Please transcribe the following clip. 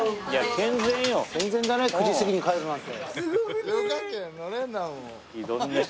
健全だね９時過ぎに帰るなんて。